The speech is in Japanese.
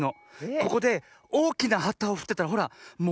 ここでおおきなはたをふってたらほらもろ